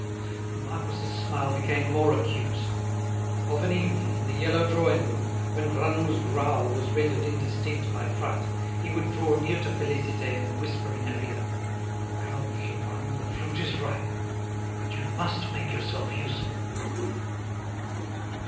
The marquis's smile became more acute. Of an evening, in the yellow drawing room, when Granoux's growl was rendered indistinct by fright, he would draw near to Félicité and whisper in her ear: "Come, little one, the fruit is ripe—but you must make yourself useful."